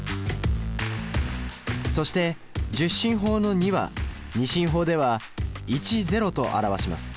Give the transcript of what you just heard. そして１０進法の２は２進法では１０と表します。